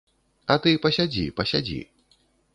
А ты пасядзі, пасядзі.